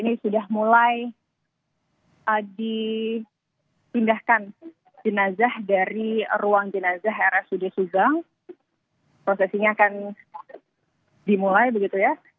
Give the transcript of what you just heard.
ini sudah mulai dipindahkan jenazah dari ruang jenazah rsud subang prosesinya akan dimulai begitu ya